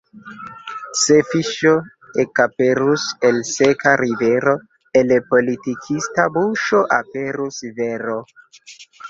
Se fiŝo ekaperus el seka rivero, el politikista buŝo aperus vero.